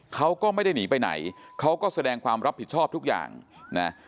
เขาก็ไม่ได้หนีไปไหนเขาก็แสดงความรับผิดชอบทุกอย่างนะ